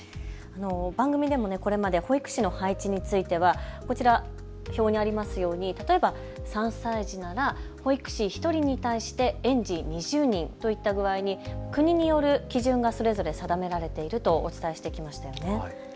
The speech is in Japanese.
番組でもこれまで保育士の配置については、こちら、表にありますように例えば３歳児なら保育士１人に対して園児２０人といった具合に国による基準がそれぞれ定められているとお伝えしてきましたよね。